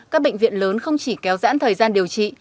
các bệnh viện lớn không chỉ kéo dãn thời gian điều trị